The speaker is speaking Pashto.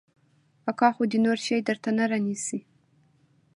اکا خو دې نور شى درته نه رانيسي.